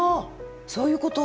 そういうこと？